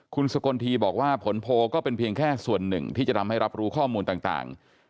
คุณสกลทีบอกว่าผลโพลก็เป็นเพียงแค่ส่วนหนึ่งที่จะทำให้รับรู้ข้อมูลต่าง